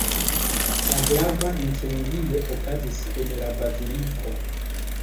La grava incendio okazis en la baziliko.